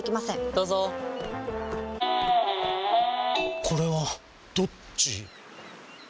どうぞこれはどっち？